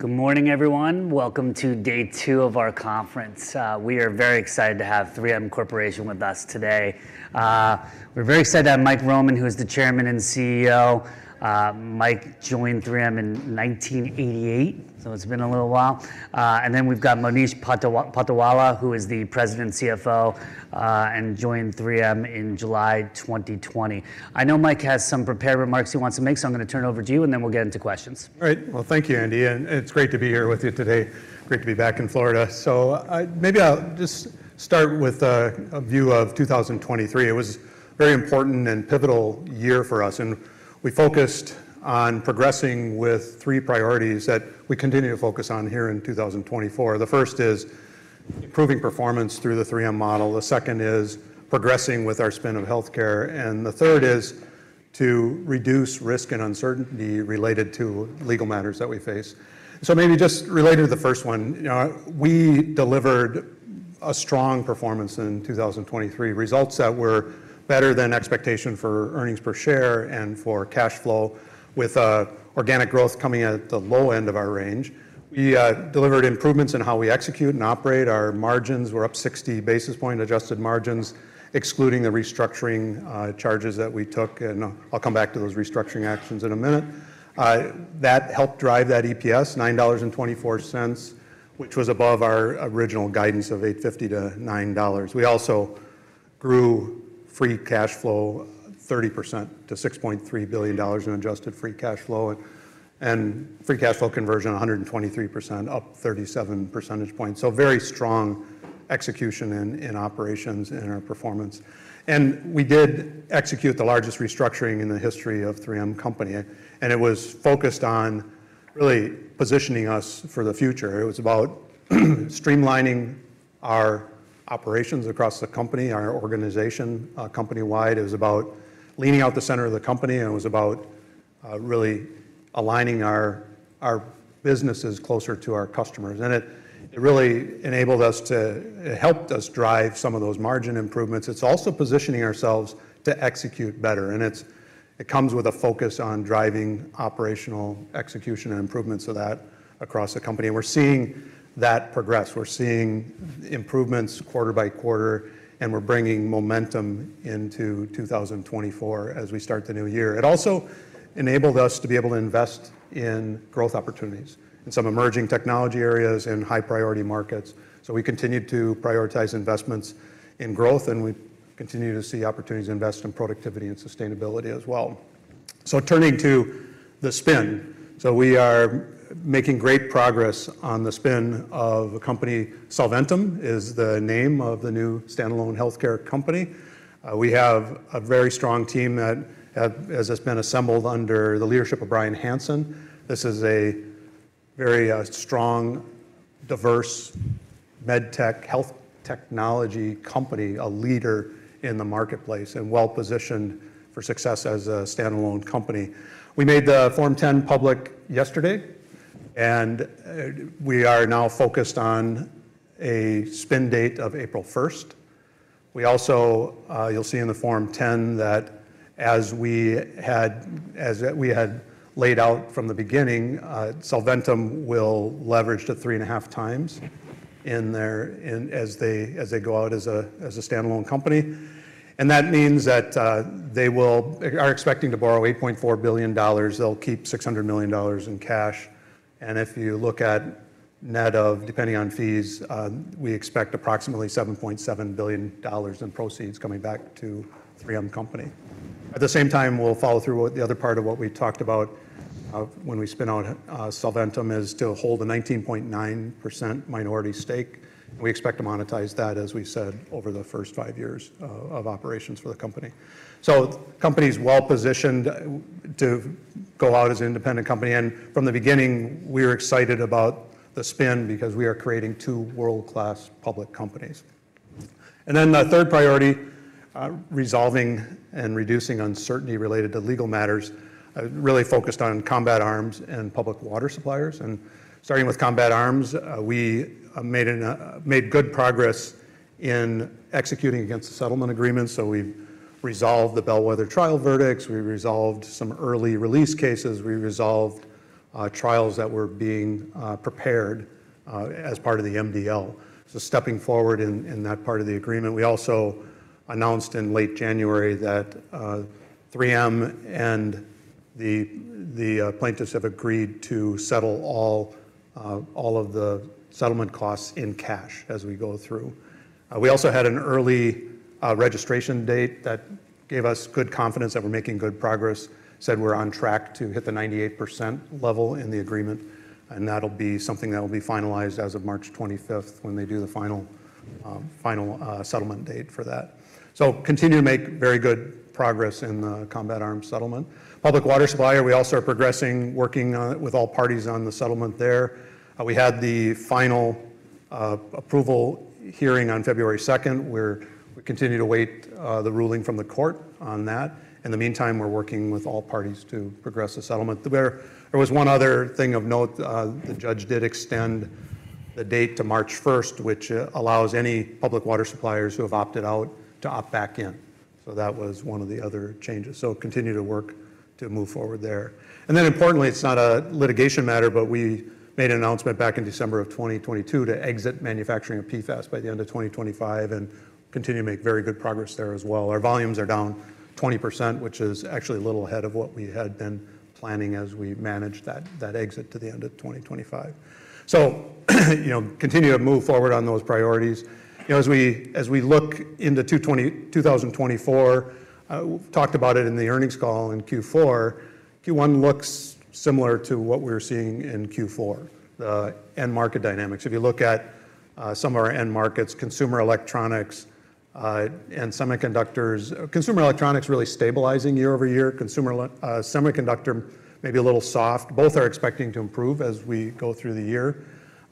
Good morning, everyone. Welcome to Day 2 of our conference. We are very excited to have 3M Corporation with us today. We're very excited to have Mike Roman, who is the Chairman and CEO. Mike joined 3M in 1988, so it's been a little while. And then we've got Monish Patolawala, who is the President and CFO, and joined 3M in July 2020. I know Mike has some prepared remarks he wants to make, so I'm gonna turn it over to you, and then we'll get into questions. All right. Well, thank you, Andy, and it's great to be here with you today. Great to be back in Florida. So, I maybe I'll just start with a view of 2023. It was a very important and pivotal year for us, and we focused on progressing with three priorities that we continue to focus on here in 2024. The first is improving performance through the 3M Model, the second is progressing with our spin of healthcare, and the third is to reduce risk and uncertainty related to legal matters that we face. So maybe just related to the first one, you know, we delivered a strong performance in 2023, results that were better than expectation for earnings per share and for cash flow, with organic growth coming at the low end of our range. We delivered improvements in how we execute and operate. Our margins were up 60 basis points, adjusted margins, excluding the restructuring charges that we took, and I'll come back to those restructuring actions in a minute. That helped drive that EPS $9.24, which was above our original guidance of $8.50-$9. We also grew free cash flow 30% to $6.3 billion in adjusted free cash flow, and free cash flow conversion 123%, up 37 percentage points. So very strong execution in operations and in our performance. We did execute the largest restructuring in the history of 3M Company, and it was focused on really positioning us for the future. It was about streamlining our operations across the company, our organization, company wide. It was about leaning out the center of the company, and it was about really aligning our, our businesses closer to our customers. And it, it really enabled us to—it helped us drive some of those margin improvements. It's also positioning ourselves to execute better, and it's—it comes with a focus on driving operational execution and improvements of that across the company. And we're seeing that progress. We're seeing improvements quarter by quarter, and we're bringing momentum into 2024 as we start the new year. It also enabled us to be able to invest in growth opportunities in some emerging technology areas and high-priority markets. So we continued to prioritize investments in growth, and we continue to see opportunities to invest in productivity and sustainability as well. So turning to the spin, so we are making great progress on the spin of a company. Solventum is the name of the new standalone healthcare company. We have a very strong team that has been assembled under the leadership of Bryan Hanson. This is a very strong, diverse medtech, health technology company, a leader in the marketplace, and well-positioned for success as a standalone company. We made the Form 10 public yesterday, and we are now focused on a spin date of April 1st. You'll see in the Form 10 that as we had laid out from the beginning, Solventum will leverage to 3.5x as they go out as a standalone company. And that means that they are expecting to borrow $8.4 billion. They'll keep $600 million in cash. If you look at net of, depending on fees, we expect approximately $7.7 billion in proceeds coming back to 3M Company. At the same time, we'll follow through what the other part of what we talked about, when we spin out, Solventum, is to hold a 19.9% minority stake. We expect to monetize that, as we said, over the first five years of operations for the company. So the company is well-positioned to go out as an independent company, and from the beginning, we are excited about the spin because we are creating two world-class public companies. And then the third priority, resolving and reducing uncertainty related to legal matters, really focused on Combat Arms and Public Water Suppliers. Starting with Combat Arms, we made good progress in executing against the settlement agreement. We resolved the bellwether trial verdicts, we resolved some early release cases, we resolved trials that were being prepared as part of the MDL. Stepping forward in that part of the agreement, we also announced in late January that 3M and the plaintiffs have agreed to settle all of the settlement costs in cash as we go through. We also had an early registration date that gave us good confidence that we're making good progress, said we're on track to hit the 98% level in the agreement, and that'll be something that will be finalized as of March 25th, when they do the final settlement date for that. So continue to make very good progress in the Combat Arms settlement. Public Water Suppliers, we also are progressing, working on it, with all parties on the settlement there. We had the final approval hearing on February second. We continue to await the ruling from the court on that. In the meantime, we're working with all parties to progress the settlement there. There was one other thing of note. The judge did extend the date to March 1st, which allows any Public Water Suppliers who have opted out to opt back in. So that was one of the other changes. So continue to work to move forward there. Then importantly, it's not a litigation matter, but we made an announcement back in December of 2022 to exit manufacturing of PFAS by the end of 2025 and continue to make very good progress there as well. Our volumes are down 20%, which is actually a little ahead of what we had been planning as we managed that exit to the end of 2025. So, you know, continue to move forward on those priorities. You know, as we look into 2024, we've talked about it in the earnings call in Q4. Q1 looks similar to what we're seeing in Q4, the end market dynamics. If you look at some of our end markets, consumer electronics and semiconductors. Consumer electronics really stabilizing year-over-year, consumer semiconductor maybe a little soft. Both are expecting to improve as we go through the year.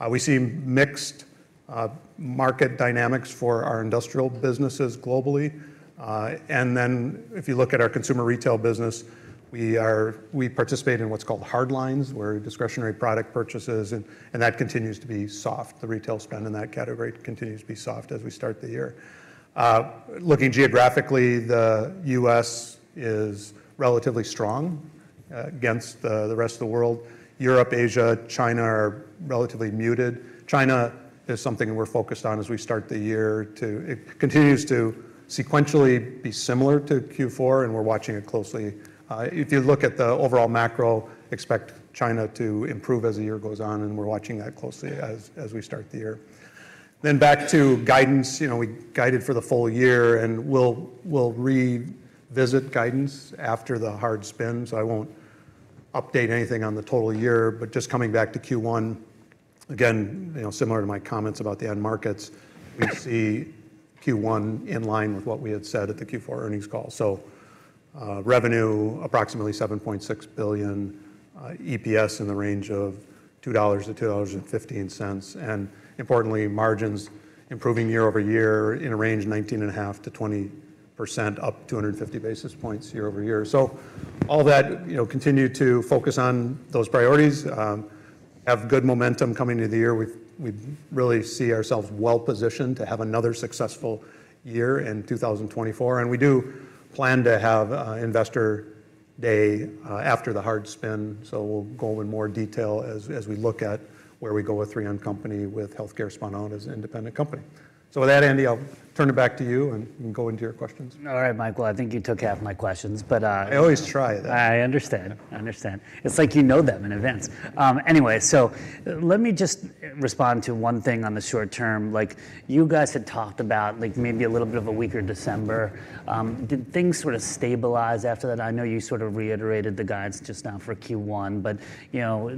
We see mixed market dynamics for our industrial businesses globally. Then, if you look at our consumer retail business, we participate in what's called hardlines, where discretionary product purchases, and that continues to be soft. The retail spend in that category continues to be soft as we start the year. Looking geographically, the U.S. is relatively strong against the rest of the world. Europe, Asia, China, are relatively muted. China is something we're focused on as we start the year. It continues to sequentially be similar to Q4, and we're watching it closely. If you look at the overall macro, expect China to improve as the year goes on, and we're watching that closely as we start the year. Then back to guidance. You know, we guided for the full year, and we'll, we'll revisit guidance after the hard spin, so I won't update anything on the total year. But just coming back to Q1, again, you know, similar to my comments about the end markets, we see Q1 in line with what we had said at the Q4 earnings call. So, revenue, approximately $7.6 billion, EPS in the range of $2-$2.15. And importantly, margins improving year-over-year in a range of 19.5%-20%, up 250 basis points year-over-year. So all that, you know, continue to focus on those priorities, have good momentum coming to the year. We, we really see ourselves well positioned to have another successful year in 2024. We do plan to have an investor day after the hard spin, so we'll go in more detail as we look at where we go with 3M Company, with healthcare spun out as an independent company. With that, Andy, I'll turn it back to you, and you can go into your questions. All right, Michael, I think you took half my questions, but, I always try. I understand. I understand. It's like you know them in advance. Anyway, so let me just respond to one thing on the short term. Like, you guys had talked about, like, maybe a little bit of a weaker December. Did things sort of stabilize after that? I know you sort of reiterated the guides just now for Q1, but, you know,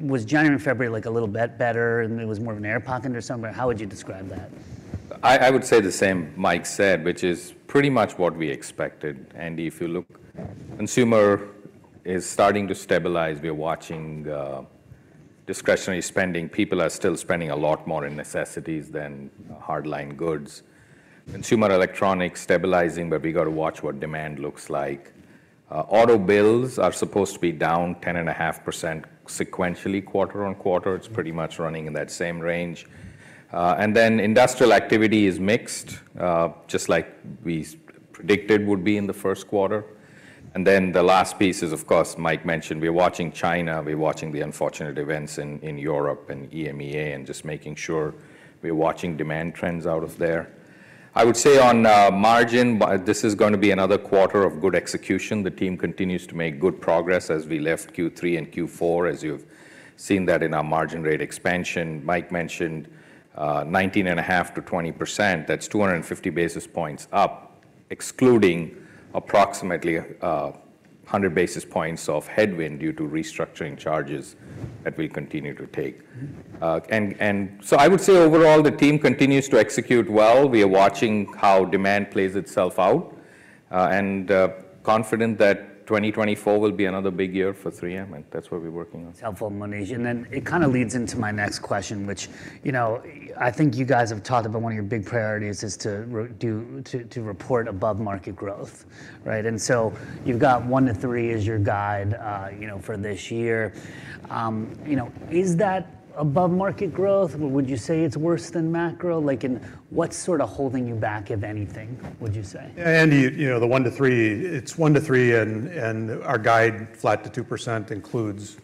was January and February, like, a little bit better, and it was more of an air pocket or something? How would you describe that? I would say the same Mike said, which is pretty much what we expected. Andy, if you look, consumer is starting to stabilize. We are watching discretionary spending. People are still spending a lot more in necessities than hard-line goods. Consumer electronics stabilizing, but we got to watch what demand looks like. Auto builds are supposed to be down 10.5% sequentially, quarter-on-quarter. It's pretty much running in that same range. And then industrial activity is mixed, just like we predicted would be in the first quarter. And then the last piece is, of course, Mike mentioned, we're watching China, we're watching the unfortunate events in Europe and EMEA, and just making sure we're watching demand trends out of there. I would say on margin, by- this is going to be another quarter of good execution. The team continues to make good progress as we left Q3 and Q4, as you've seen that in our margin rate expansion. Mike mentioned, 19.5%-20%. That's 250 basis points up, excluding approximately, one hundred basis points of headwind due to restructuring charges that we continue to take. And, and so I would say overall, the team continues to execute well. We are watching how demand plays itself out, and, confident that 2024 will be another big year for 3M, and that's what we're working on. Helpful, Monish. Then it kind of leads into my next question, which, you know, I think you guys have talked about one of your big priorities is to report above-market growth, right? And so you've got 1-3 as your guide, you know, for this year. You know, is that above-market growth? Would you say it's worse than macro? Like, and what's sort of holding you back, if anything, would you say? Andy, you know, the 1-3, it's 1-3, and, and our guide flat to 2%, includes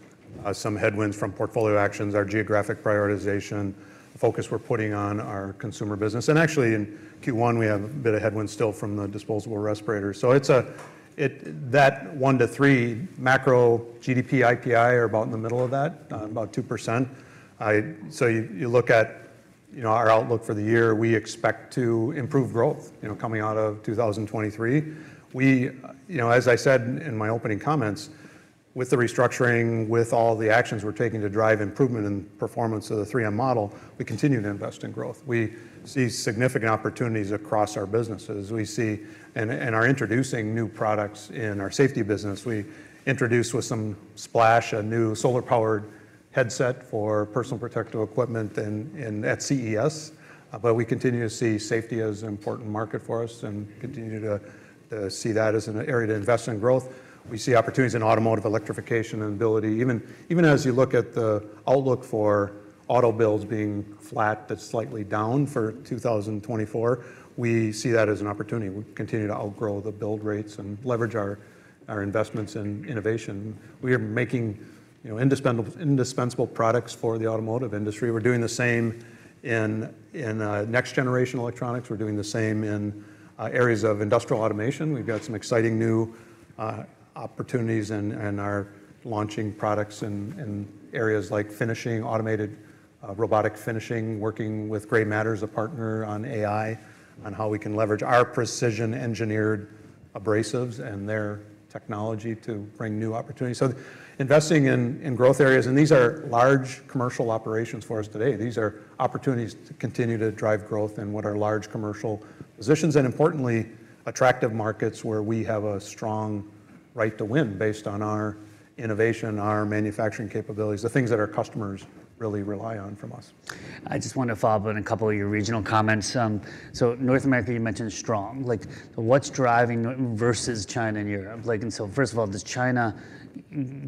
some headwinds from portfolio actions, our geographic prioritization focus we're putting on our consumer business. And actually, in Q1, we have a bit of headwinds still from the disposable respirators. So it's a, that 1-3 macro GDP, IPI are about in the middle of that, about 2%. So you know, our outlook for the year, we expect to improve growth, you know, coming out of 2023. We, you know, as I said in my opening comments, with the restructuring, with all the actions we're taking to drive improvement in performance of the 3M Model, we continue to invest in growth. We see significant opportunities across our businesses. We see and are introducing new products in our safety business. We introduced, with some splash, a new solar-powered headset for personal protective equipment in at CES. But we continue to see safety as an important market for us, and continue to see that as an area to invest in growth. We see opportunities in automotive electrification and ability. Even as you look at the outlook for auto builds being flat to slightly down for 2024, we see that as an opportunity. We continue to outgrow the build rates and leverage our investments in innovation. We are making, you know, indispensable, indispensable products for the automotive industry. We're doing the same in next-generation electronics. We're doing the same in areas of industrial automation. We've got some exciting new opportunities and are launching products in areas like finishing, automated robotic finishing, working with GrayMatter, a partner on AI, on how we can leverage our precision engineered abrasives and their technology to bring new opportunities. So investing in growth areas, and these are large commercial operations for us today. These are opportunities to continue to drive growth in what are large commercial positions, and importantly, attractive markets where we have a strong right to win based on our innovation, our manufacturing capabilities, the things that our customers really rely on from us. I just want to follow up on a couple of your regional comments. So North America, you mentioned, is strong. Like, what's driving, versus China and Europe? Like, and so first of all, does China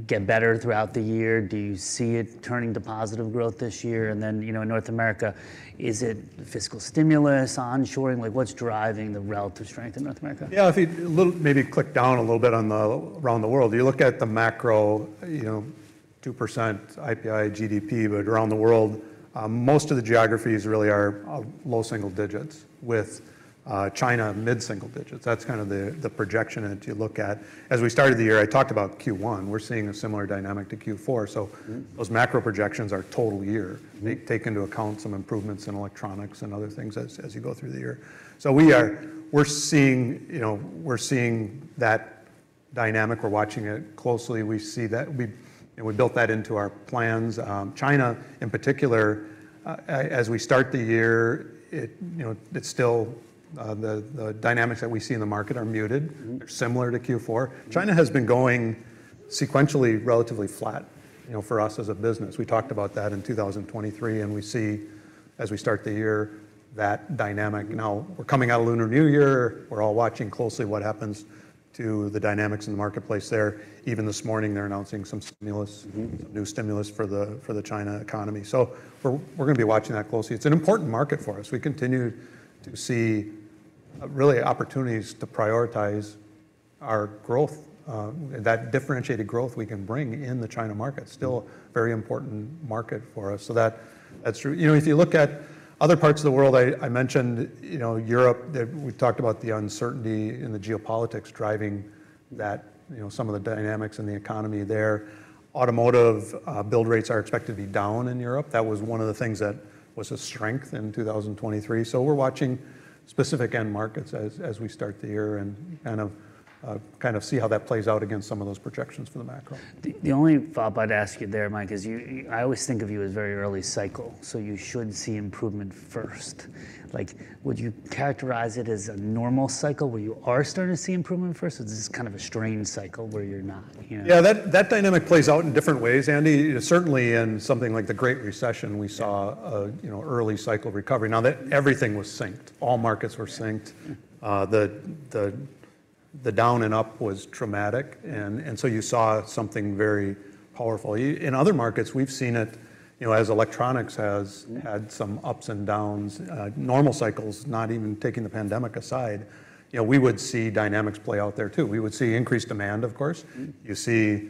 get better throughout the year? Do you see it turning to positive growth this year? And then, you know, North America, is it fiscal stimulus, onshoring? Like, what's driving the relative strength in North America? Yeah, if you little—maybe click down a little bit on the, around the world, you look at the macro, you know, 2% IPI, GDP. But around the world, most of the geographies really are, low single digits, with, China mid-single digits. That's kind of the, the projection that you look at. As we started the year, I talked about Q1. We're seeing a similar dynamic to Q4. Those macro projections are total year. They take into account some improvements in electronics and other things as you go through the year. So we're seeing, you know, we're seeing that dynamic. We're watching it closely. We see that. And we built that into our plans. China, in particular, as we start the year, it, you know, it's still. The dynamics that we see in the market are muted. They're similar to Q4. China has been going sequentially, relatively flat, you know, for us as a business. We talked about that in 2023, and we see as we start the year, that dynamic. Now, we're coming out of Lunar New Year. We're all watching closely what happens to the dynamics in the marketplace there. Even this morning, they're announcing some new stimulus for the, for the China economy. So we're, we're gonna be watching that closely. It's an important market for us. We continue to see, really opportunities to prioritize our growth, that differentiated growth we can bring in the China market. Still a very important market for us. So that, that's true. You know, if you look at other parts of the world, I mentioned, you know, Europe, the, we talked about the uncertainty in the geopolitics driving that, you know, some of the dynamics in the economy there. Automotive, build rates are expected to be down in Europe. That was one of the things that was a strength in 2023. So we're watching specific end markets as we start the year, and kind of, kind of see how that plays out against some of those projections for the macro. The only follow-up I'd ask you there, Mike, is you—I always think of you as very early cycle, so you should see improvement first. Like, would you characterize it as a normal cycle, where you are starting to see improvement first, or is this kind of a strange cycle where you're not, you know? Yeah, that, that dynamic plays out in different ways, Andy. Certainly, in something like the Great Recession, we saw you know, early cycle recovery. Now, that everything was synced. All markets were synced. Yeah. The down and up was traumatic, and so you saw something very powerful. In other markets, we've seen it, you know, as electronics has had some ups and downs, normal cycles, not even taking the pandemic aside, you know, we would see dynamics play out there, too. We would see increased demand, of course. You see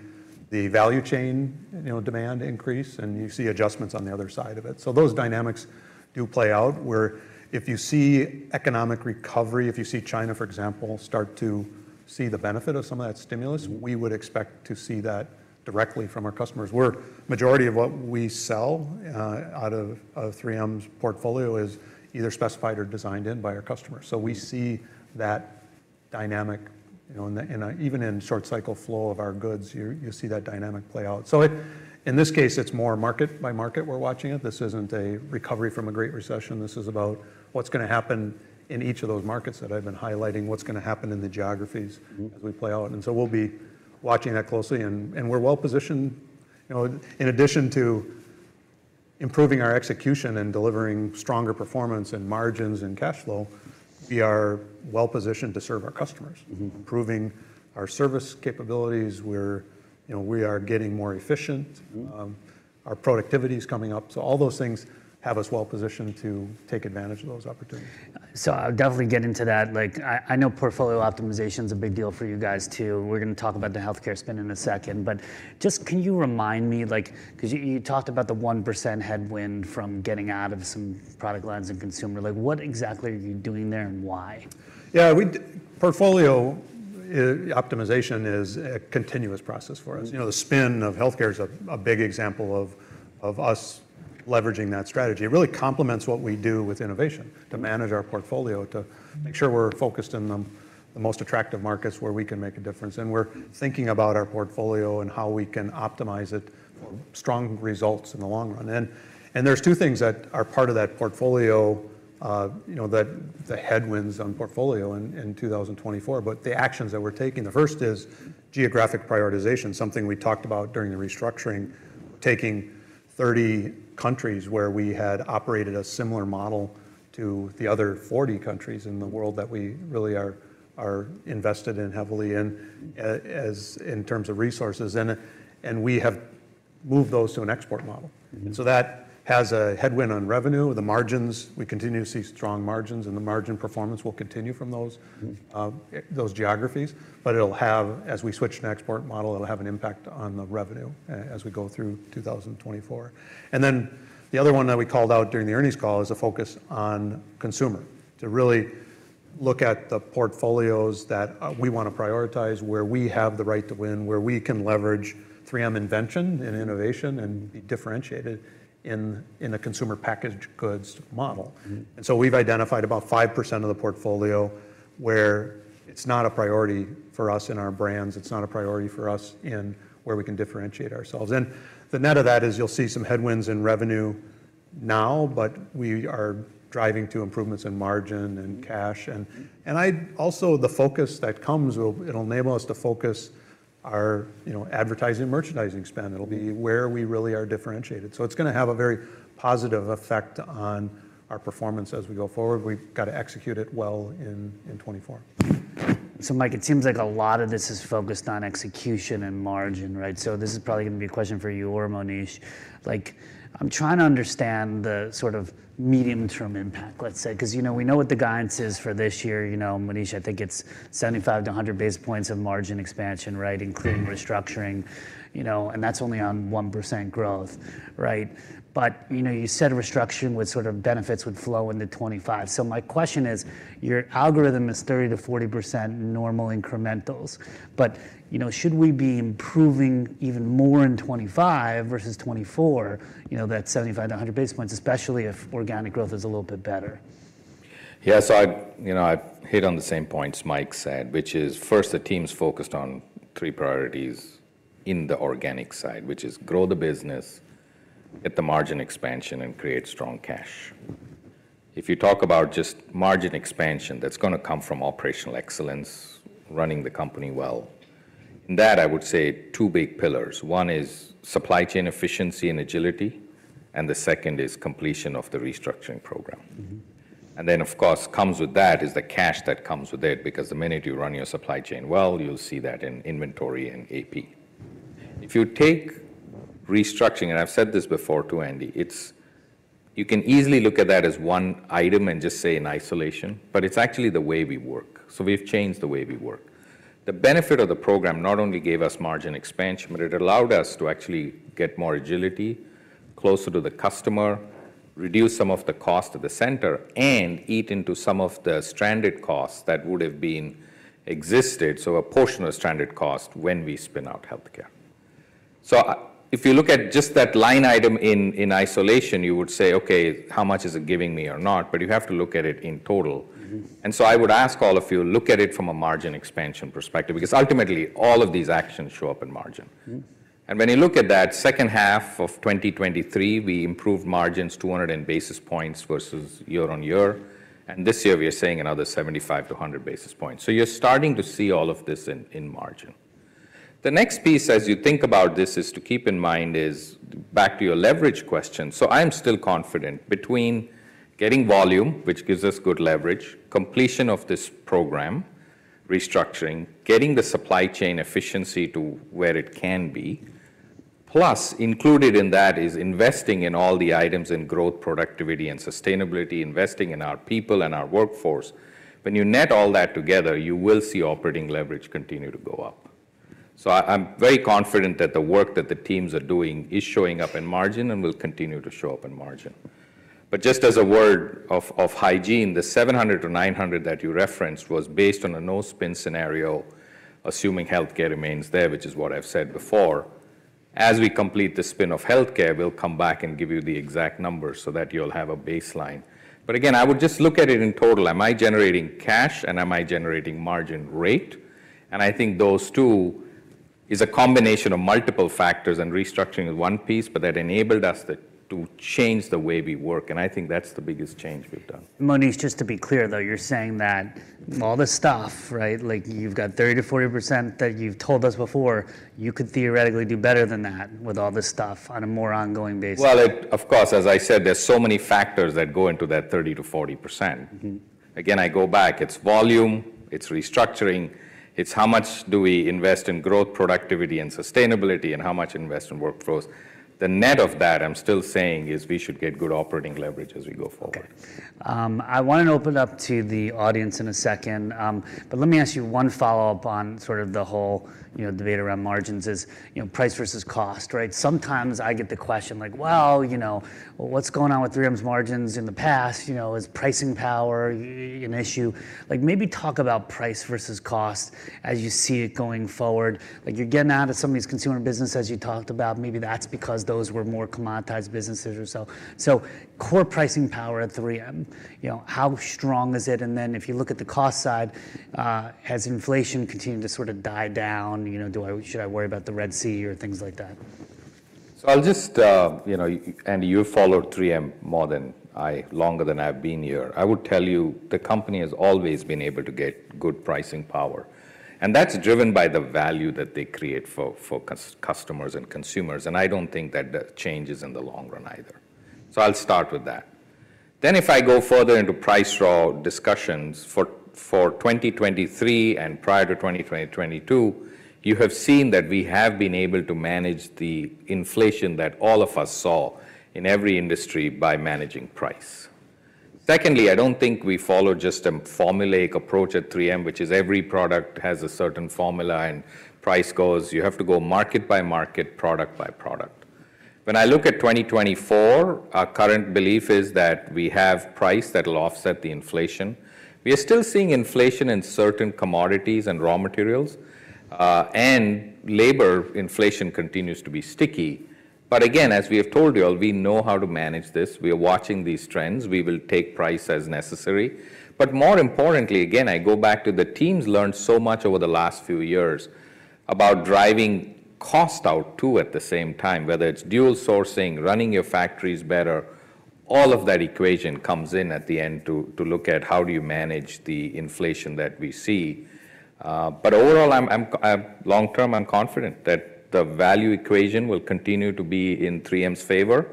the value chain, you know, demand increase, and you see adjustments on the other side of it. So those dynamics do play out, where if you see economic recovery, if you see China, for example, start to see the benefit of some of that stimulus we would expect to see that directly from our customers, where majority of what we sell out of 3M's portfolio is either specified or designed in by our customers. So we see that dynamic, you know, in the, even in short cycle flow of our goods, you see that dynamic play out. So in this case, it's more market by market, we're watching it. This isn't a recovery from a great recession. This is about what's gonna happen in each of those markets that I've been highlighting, what's gonna happen in the geographies as we play out, and so we'll be watching that closely, and we're well positioned. You know, in addition to improving our execution and delivering stronger performance and margins and cash flow, we are well positioned to serve our customers. Improving our service capabilities, we're, you know, we are getting more efficient. Our productivity is coming up. All those things have us well positioned to take advantage of those opportunities. So I'll definitely get into that. Like, I know portfolio optimization's a big deal for you guys, too. We're gonna talk about the healthcare spend in a second. But just, can you remind me, like... Because you talked about the 1% headwind from getting out of some product lines and consumer, like, what exactly are you doing there, and why? Yeah, optimization is a continuous process for us. You know, the spin of healthcare is a big example of us leveraging that strategy. It really complements what we do with innovation to manage our portfolio, to make sure we're focused in the most attractive markets where we can make a difference. And we're thinking about our portfolio and how we can optimize it for strong results in the long run. And there's two things that are part of that portfolio, you know, that the headwinds on portfolio in 2024, but the actions that we're taking, the first is geographic prioritization, something we talked about during the restructuring. Taking 30 countries where we had operated a similar model to the other 40 countries in the world that we really are invested in heavily in, as in terms of resources, and we have moved those to an export model. That has a headwind on revenue. The margins, we continue to see strong margins, and the margin performance will continue from those geographies, but it'll have as we switch to an export model, it'll have an impact on the revenue as we go through 2024. And then the other one that we called out during the earnings call is a focus on consumer, to really look at the portfolios that we want to prioritize, where we have the right to win, where we can leverage 3M invention and innovation and be differentiated in a consumer-packaged goods model. And so we've identified about 5% of the portfolio where it's not a priority for us in our brands, it's not a priority for us in where we can differentiate ourselves. The net of that is you'll see some headwinds in revenue now, but we are driving to improvements in margin and cash. Also, the focus that comes, it'll enable us to focus our, you know, advertising and merchandising spend. It'll be where we really are differentiated. So it's gonna have a very positive effect on our performance as we go forward. We've got to execute it well in 2024. So Mike, it seems like a lot of this is focused on execution and margin, right? So this is probably gonna be a question for you or Monish. Like, I'm trying to understand the sort of medium-term impact, let's say, 'cause, you know, we know what the guidance is for this year. You know, Monish, I think it's 75-100 basis points of margin expansion, right? Including restructuring, you know, and that's only on 1% growth, right? But, you know, you said restructuring would sort of benefits would flow into 2025. So my question is, your algorithm is 30%-40% normal incrementals, but, you know, should we be improving even more in 2025 versus 2024, you know, that 75-100 basis points, especially if organic growth is a little bit better? Yeah. So I've, you know, I've hit on the same points Mike said, which is, first, the team's focused on three priorities in the organic side, which is grow the business, get the margin expansion, and create strong cash. If you talk about just margin expansion, that's gonna come from operational excellence, running the company well. In that, I would say two big pillars: One is supply chain efficiency and agility, and the second is completion of the restructuring program. Then, of course, comes with that is the cash that comes with it, because the minute you run your supply chain well, you'll see that in inventory and AP. If you take restructuring, and I've said this before too, Andy, it's, you can easily look at that as one item and just say in isolation, but it's actually the way we work. So we've changed the way we work. The benefit of the program not only gave us margin expansion, but it allowed us to actually get more agility, closer to the customer, reduce some of the cost to the center, and eat into some of the stranded costs that would have been existed, so a portion of stranded cost when we spin out healthcare. So if you look at just that line item in isolation, you would say, "Okay, how much is it giving me or not?" But you have to look at it in total. I would ask all of you, look at it from a margin expansion perspective, because ultimately, all of these actions show up in margin. And when you look at that second half of 2023, we improved margins 200 basis points versus year-on-year, and this year, we are seeing another 75-100 basis points. So you're starting to see all of this in, in margin. The next piece, as you think about this, is to keep in mind is, back to your leverage question. So I'm still confident between getting volume, which gives us good leverage, completion of this program, restructuring, getting the supply chain efficiency to where it can be, plus included in that is investing in all the items in growth, productivity, and sustainability, investing in our people and our workforce. When you net all that together, you will see operating leverage continue to go up. So I'm very confident that the work that the teams are doing is showing up in margin and will continue to show up in margin. But just as a word of hygiene, the $700-$900 that you referenced was based on a no-spin scenario, assuming healthcare remains there, which is what I've said before. As we complete the spin of healthcare, we'll come back and give you the exact numbers so that you'll have a baseline. But again, I would just look at it in total: Am I generating cash, and am I generating margin rate? And I think those two is a combination of multiple factors, and restructuring is one piece, but that enabled us to change the way we work, and I think that's the biggest change we've done. Monish, just to be clear, though, you're saying that all this stuff, right, like, you've got 30%-40% that you've told us before, you could theoretically do better than that with all this stuff on a more ongoing basis? Well, of course, as I said, there's so many factors that go into that 30%-40%. Again, I go back, it's volume, it's restructuring, it's how much do we invest in growth, productivity, and sustainability, and how much invest in workforce. The net of that, I'm still saying, is we should get good operating leverage as we go forward. Okay. I want to open up to the audience in a second, but let me ask you one follow-up on sort of the whole, you know, debate around margins is, you know, price versus cost, right? Sometimes I get the question like, "Well, you know, what's going on with 3M's margins in the past, you know, is pricing power an issue?" Like, maybe talk about price versus cost as you see it going forward. Like, you're getting out of some of these consumer businesses, as you talked about, maybe that's because those were more commoditized businesses or so. So core pricing power at 3M, you know, how strong is it? And then if you look at the cost side, has inflation continued to sort of die down? You know, should I worry about the Red Sea or things like that? So I'll just, you know, and you've followed 3M more than I, longer than I've been here. I would tell you, the company has always been able to get good pricing power, and that's driven by the value that they create for customers and consumers, and I don't think that that changes in the long run either. So I'll start with that. Then if I go further into pricing discussions for 2023 and prior to 2022, you have seen that we have been able to manage the inflation that all of us saw in every industry by managing price. Secondly, I don't think we follow just a formulaic approach at 3M, which is every product has a certain formula and price goes. You have to go market by market, product by product. When I look at 2024, our current belief is that we have price that will offset the inflation. We are still seeing inflation in certain commodities and raw materials, and labor inflation continues to be sticky. But again, as we have told you all, we know how to manage this. We are watching these trends. We will take price as necessary. But more importantly, again, I go back to the teams learned so much over the last few years about driving cost out, too, at the same time, whether it's dual sourcing, running your factories better, all of that equation comes in at the end to look at how do you manage the inflation that we see. But overall, I'm long term confident that the value equation will continue to be in 3M's favor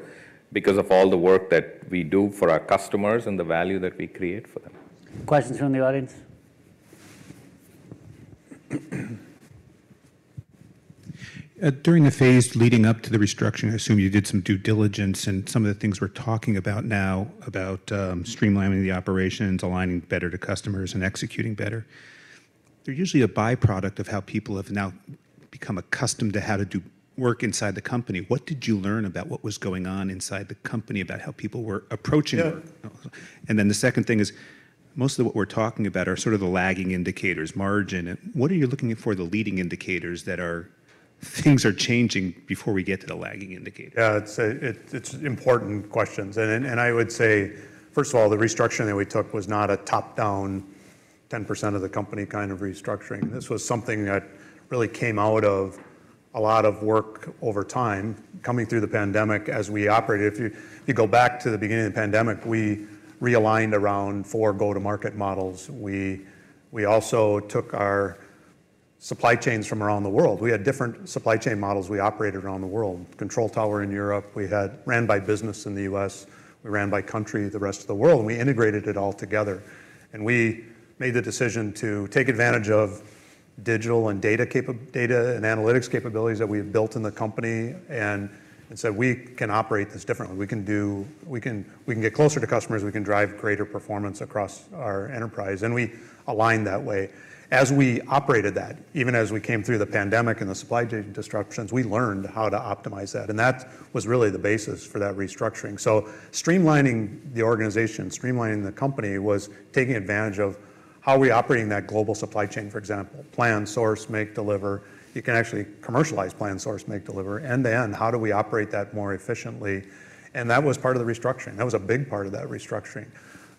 because of all the work that we do for our customers and the value that we create for them. Questions from the audience? During the phase leading up to the restructuring, I assume you did some due diligence and some of the things we're talking about now, about streamlining the operations, aligning better to customers, and executing better. They're usually a by-product of how people have now become accustomed to how to do work inside the company. What did you learn about what was going on inside the company, about how people were approaching work? Yeah. Then the second thing is, most of what we're talking about are sort of the lagging indicators, margin, and what are you looking for, the leading indicators, things are changing before we get to the lagging indicators? Yeah, it's important questions. And I would say, first of all, the restructuring that we took was not a top-down, 10% of the company kind of restructuring. This was something that really came out of a lot of work over time, coming through the pandemic as we operated. If you go back to the beginning of the pandemic, we realigned around four go-to-market models. We also took our supply chains from around the world. We had different supply chain models we operated around the world. Control tower in Europe, we had ran by business in the U.S., we ran by country, the rest of the world, and we integrated it all together. And we made the decision to take advantage of digital and data and analytics capabilities that we've built in the company, and so we can operate this differently. We can do... We can, we can get closer to customers, we can drive greater performance across our enterprise, and we align that way. As we operated that, even as we came through the pandemic and the supply chain disruptions, we learned how to optimize that, and that was really the basis for that restructuring. So streamlining the organization, streamlining the company, was taking advantage of how are we operating that global supply chain, for example, plan, source, make, deliver. You can actually commercialize, plan, source, make, deliver, end to end, how do we operate that more efficiently? And that was part of the restructuring. That was a big part of that restructuring.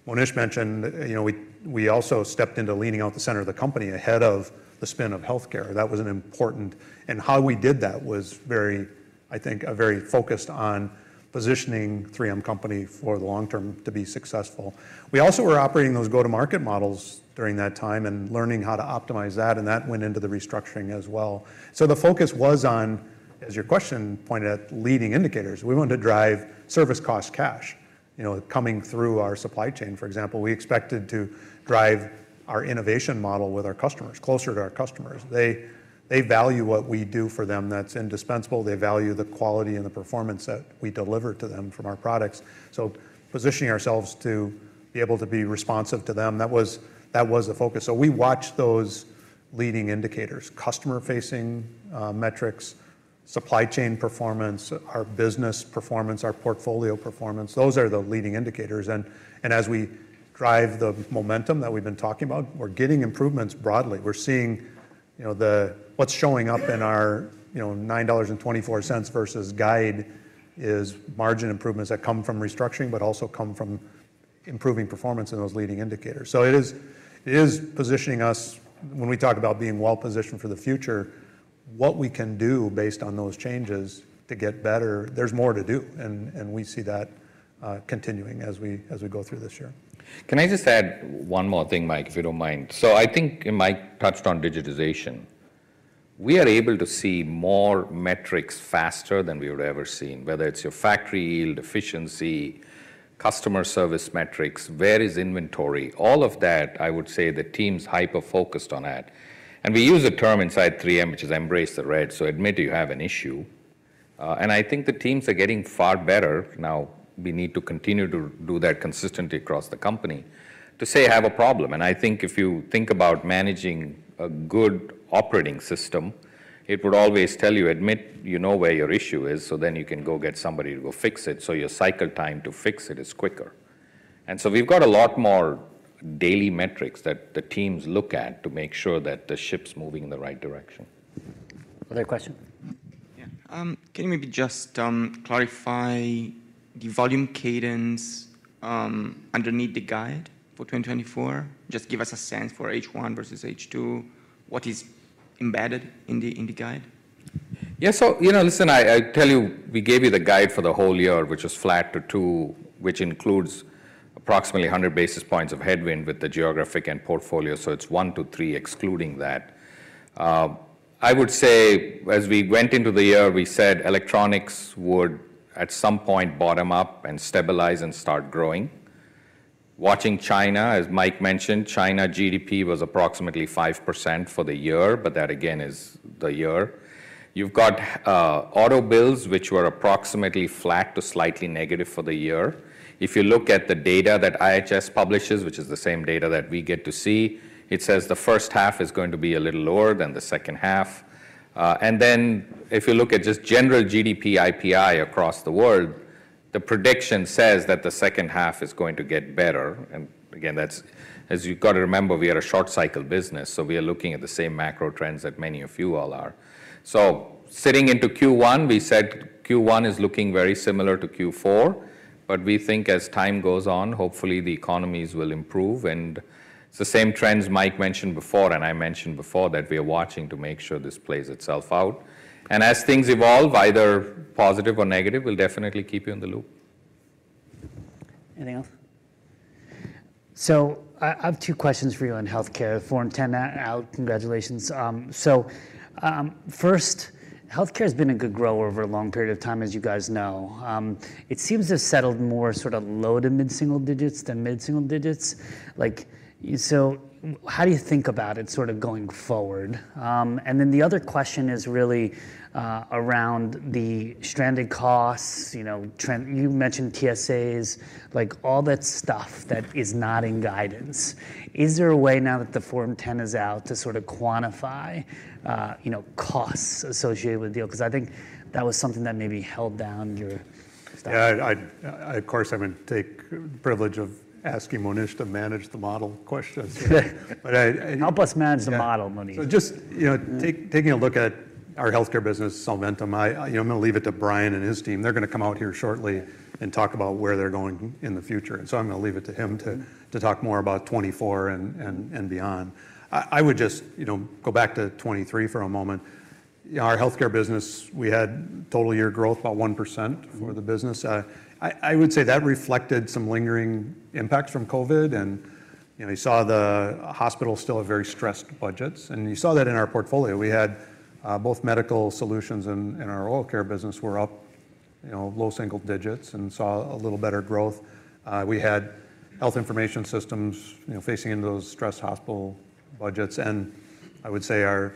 Monish mentioned, you know, we also stepped into leaning out the center of the company ahead of the spin of healthcare. That was an important, and how we did that was very, I think, a very focused on positioning 3M Company for the long term to be successful. We also were operating those go-to-market models during that time and learning how to optimize that, and that went into the restructuring as well. So the focus was on, as your question pointed out, leading indicators. We wanted to drive service cost cash, you know, coming through our supply chain, for example, we expected to drive our innovation model with our customers, closer to our customers. They value what we do for them, that's indispensable. They value the quality and the performance that we deliver to them from our products. So positioning ourselves to be able to be responsive to them, that was, that was the focus. So we watched those leading indicators, customer-facing metrics, supply chain performance, our business performance, our portfolio performance. Those are the leading indicators. And, and as we drive the momentum that we've been talking about, we're getting improvements broadly. We're seeing, you know, the, what's showing up in our, you know, $9.24 versus guide is margin improvements that come from restructuring, but also come from improving performance in those leading indicators. So it is, it is positioning us... When we talk about being well positioned for the future, what we can do based on those changes to get better, there's more to do, and, and we see that continuing as we, as we go through this year. Can I just add one more thing, Mike, if you don't mind? So I think Mike touched on digitization. We are able to see more metrics faster than we would have ever seen, whether it's your factory yield, efficiency, customer service metrics, where is inventory, all of that, I would say the team's hyper-focused on that. And we use a term inside 3M, which is embrace the red, so admit you have an issue. And I think the teams are getting far better. Now, we need to continue to do that consistently across the company to say, "I have a problem." And I think if you think about managing a good operating system, it would always tell you, admit you know where your issue is, so then you can go get somebody to go fix it, so your cycle time to fix it is quicker. So we've got a lot more daily metrics that the teams look at to make sure that the ship's moving in the right direction. Other question? Yeah. Can you maybe just clarify the volume cadence underneath the guide for 2024? Just give us a sense for H1 versus H2, what is embedded in the guide. Yeah, so, you know, listen, I, I tell you, we gave you the guide for the whole year, which was flat to 2, which includes approximately 100 basis points of headwind with the geographic and portfolio, so it's 1 to 3, excluding that. I would say as we went into the year, we said electronics would, at some point, bottom out and stabilize and start growing. Watching China, as Mike mentioned, China GDP was approximately 5% for the year, but that again, is the year. You've got, auto builds, which were approximately flat to slightly negative for the year. If you look at the data that IHS publishes, which is the same data that we get to see, it says the first half is going to be a little lower than the second half. And then if you look at just general GDP, IPI across the world, the prediction says that the second half is going to get better. And again, that's as you've got to remember, we are a short cycle business, so we are looking at the same macro trends that many of you all are. So sitting into Q1, we said Q1 is looking very similar to Q4, but we think as time goes on, hopefully the economies will improve. And it's the same trends Mike mentioned before, and I mentioned before, that we are watching to make sure this plays itself out. And as things evolve, either positive or negative, we'll definitely keep you in the loop. Anything else? So, I have two questions for you on healthcare, Form 10 out, congratulations. First, healthcare has been a good grower over a long period of time, as you guys know. It seems to have settled more sort of low- to mid-single digits than mid-single digits. Like, so how do you think about it sort of going forward? And then the other question is really around the stranded costs, you know, trends. You mentioned TSAs, like, all that stuff that is not in guidance. Is there a way now that the Form 10 is out to sort of quantify, you know, costs associated with the deal? 'Cause I think that was something that maybe held down your stock. Yeah, of course, I'm gonna take privilege of asking Monish to manage the model questions. But I- Help us manage the model, Monish. Yeah. So just, you know, taking a look at our healthcare business, Solventum, I, you know, I'm gonna leave it to Bryan and his team. They're gonna come out here shortly and talk about where they're going in the future. And so I'm gonna leave it to him to talk more about 2024 and beyond. I would just, you know, go back to 2023 for a moment. Our healthcare business, we had total year growth, about 1% for the business. I would say that reflected some lingering impacts from COVID, and, you know, you saw the hospitals still have very stressed budgets, and you saw that in our portfolio. We had both Medical Solutions and our Oral Care business were up, you know, low single digits and saw a little better growth. We had Health Information Systems, you know, facing into those stressed hospital budgets, and I would say our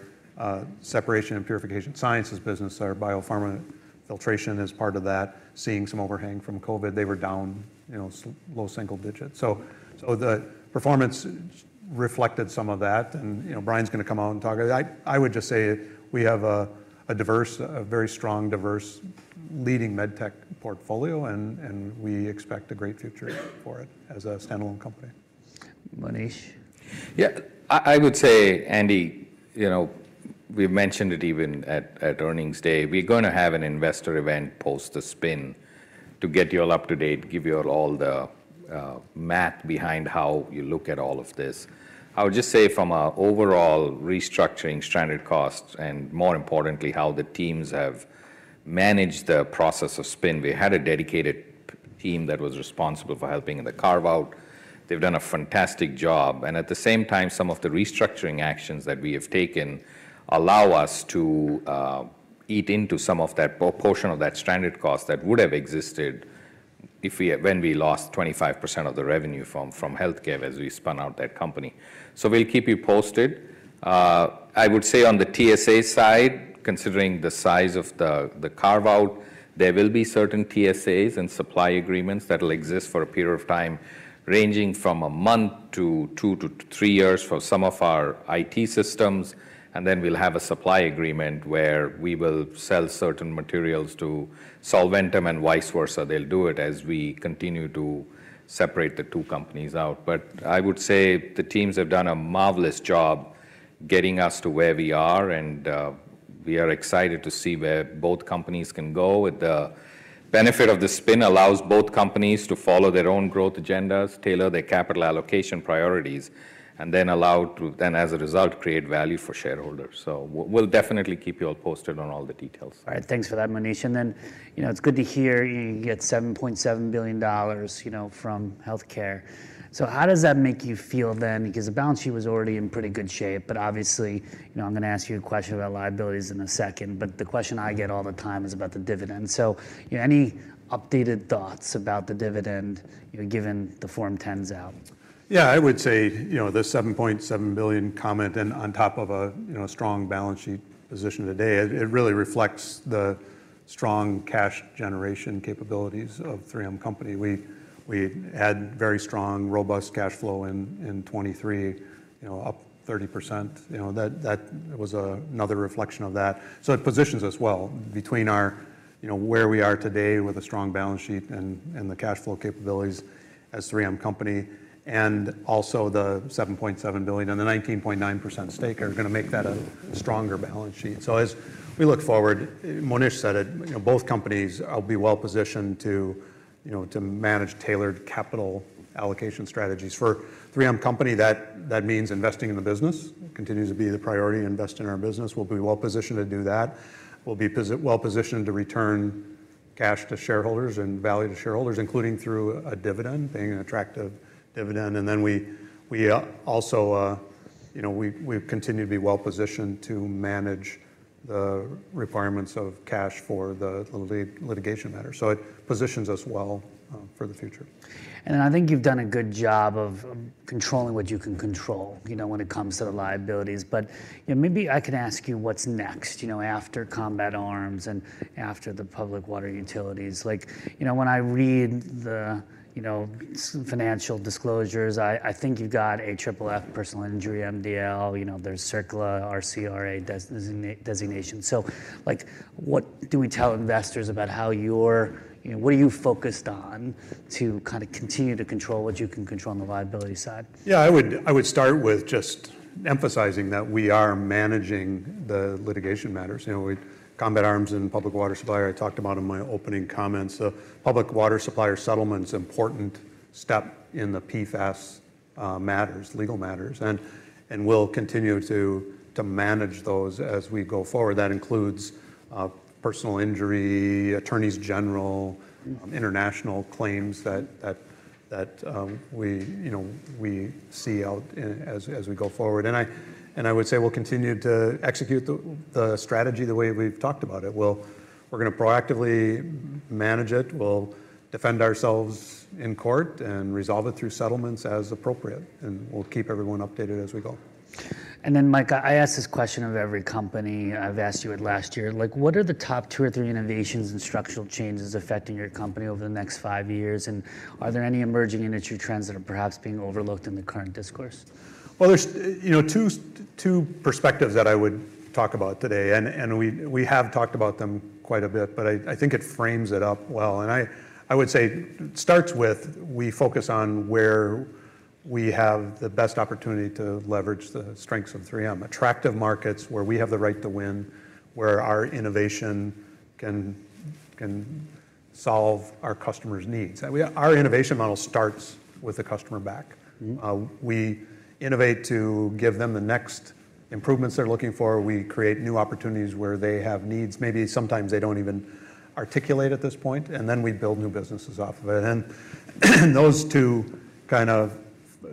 Separation and Purification Sciences business, our biopharma filtration is part of that, seeing some overhang from COVID. They were down, you know, low single digits. So, the performance reflected some of that, and, you know, Bryan's gonna come out and talk. I would just say we have a diverse, a very strong, diverse, leading medtech portfolio, and we expect a great future for it as a standalone company. Monish? Yeah, I would say, Andy, you know, we've mentioned it even at earnings day. We're gonna have an investor event post the spin to get you all up to date, give you all the math behind how you look at all of this. I would just say from an overall restructuring stranded costs, and more importantly, how the teams have managed the process of spin, we had a dedicated PM team that was responsible for helping in the carve-out. They've done a fantastic job, and at the same time, some of the restructuring actions that we have taken allow us to eat into some of that portion of that stranded cost that would have existed if we... When we lost 25% of the revenue from healthcare as we spun out that company. So we'll keep you posted. I would say on the TSA side, considering the size of the carve-out, there will be certain TSAs and supply agreements that will exist for a period of time, ranging from a month to two to three years for some of our IT systems, and then we'll have a supply agreement where we will sell certain materials to Solventum and vice versa. They'll do it as we continue to separate the two companies out. But I would say the teams have done a marvelous job getting us to where we are, and we are excited to see where both companies can go. With the benefit of the spin allows both companies to follow their own growth agendas, tailor their capital allocation priorities, and then allow to, as a result, create value for shareholders. So we'll definitely keep you all posted on all the details. All right. Thanks for that, Monish. And then, you know, it's good to hear you get $7.7 billion, you know, from healthcare. So how does that make you feel then? Because the balance sheet was already in pretty good shape, but obviously, you know, I'm gonna ask you a question about liabilities in a second, but the question I get all the time is about the dividend. So, you know, any updated thoughts about the dividend, you know, given the Form 10's out? Yeah, I would say, you know, the $7.7 billion comment and on top of a, you know, strong balance sheet position today, it, it really reflects the strong cash generation capabilities of 3M Company. We, we had very strong, robust cash flow in, in 2023, you know, up 30%. You know, that, that was another reflection of that. So it positions us well between our... you know, where we are today with a strong balance sheet and, and the cash flow capabilities as 3M Company, and also the $7.7 billion and the 19.9% stake are gonna make that a stronger balance sheet. So as we look forward, Monish said it, you know, both companies will be well-positioned to, you know, to manage tailored capital allocation strategies. For 3M Company, that, that means investing in the business, continues to be the priority, invest in our business. We'll be well-positioned to do that. We'll be well-positioned to return cash to shareholders and value to shareholders, including through a dividend, paying an attractive dividend. And then we, we also, you know, we, we continue to be well-positioned to manage the requirements of cash for the litigation matter. So it positions us well for the future. I think you've done a good job of controlling what you can control, you know, when it comes to the liabilities. But, you know, maybe I can ask you what's next, you know, after Combat Arms and after the public water utilities? Like, you know, when I read the, you know, financial disclosures, I think you've got AFFF personal injury MDL, you know, there's CERCLA, RCRA designation. So, like, what do we tell investors about how you're... You know, what are you focused on to kind of continue to control what you can control on the liability side? Yeah, I would, I would start with just emphasizing that we are managing the litigation matters. You know, we, Combat Arms and public water supplier, I talked about in my opening comments. The public water supplier settlement is an important step in the PFAS matters, legal matters, and, and we'll continue to, to manage those as we go forward. That includes personal injury, attorneys general international claims that we, you know, we see out as we go forward. I would say we'll continue to execute the strategy the way we've talked about it. We're gonna proactively manage it. We'll defend ourselves in court and resolve it through settlements as appropriate, and we'll keep everyone updated as we go. And then, Mike, I ask this question of every company. I've asked you it last year. Like, what are the top two or three innovations and structural changes affecting your company over the next five years? And are there any emerging industry trends that are perhaps being overlooked in the current discourse? Well, there's, you know, two perspectives that I would talk about today, and we have talked about them quite a bit, but I think it frames it up well. And I would say it starts with, we focus on where we have the best opportunity to leverage the strengths of 3M. Attractive markets, where we have the right to win, where our innovation can solve our customers' needs. And our innovation model starts with the customer back. We innovate to give them the next improvements they're looking for. We create new opportunities where they have needs, maybe sometimes they don't even articulate at this point, and then we build new businesses off of it. And those two kind of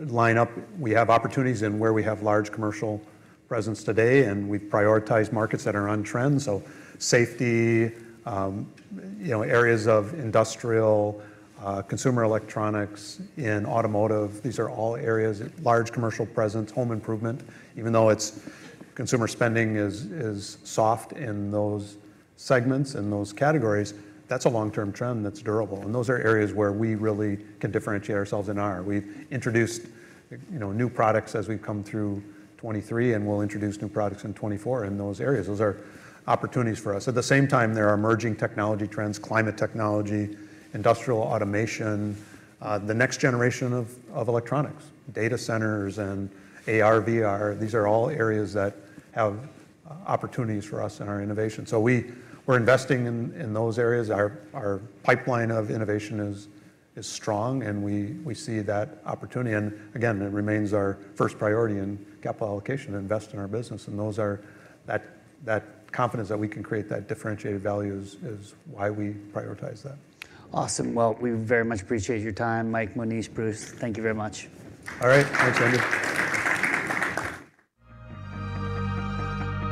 line up. We have opportunities in where we have large commercial presence today, and we've prioritized markets that are on trend. So safety, you know, areas of industrial, consumer electronics, in automotive, these are all areas, large commercial presence, home improvement. Even though its consumer spending is, is soft in those segments and those categories, that's a long-term trend that's durable, and those are areas where we really can differentiate ourselves and are. We've introduced, you know, new products as we've come through 2023, and we'll introduce new products in 2024 in those areas. Those are opportunities for us. At the same time, there are emerging technology trends, climate technology, industrial automation, the next generation of electronics, data centers, and AR, VR. These are all areas that have opportunities for us in our innovation. So we're investing in those areas. Our pipeline of innovation is strong, and we see that opportunity. And again, it remains our first priority in capital allocation to invest in our business, and those are... That confidence that we can create that differentiated value is why we prioritize that. Awesome. Well, we very much appreciate your time, Mike, Monish, Bruce, thank you very much. All right. Thanks, Andy.